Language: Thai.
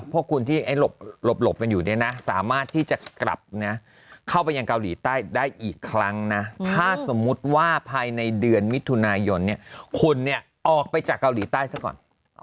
พวกคุณที่หลบกันอยู่เนี่ยนะสามารถที่จะกลับนะเข้าไปยังเกาหลีใต้ได้อีกครั้งนะถ้าสมมุติว่าภายในเดือนมิถุนายนเนี่ยคุณเนี่ยออกไปจากเกาหลีใต้ซะก่อน